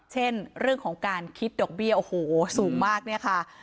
เช่นเรื่องของการคิดดอกเบี้ยโอ้โหสูงมากเนี่ยค่ะ